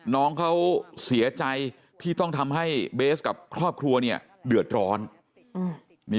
น้องเขาเสียใจที่ต้องทำให้เบสกับครอบครัวเนี่ยเดือดร้อน